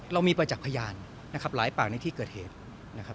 เรามีประจักษ์พยานนะครับหลายปากในที่เกิดเหตุนะครับ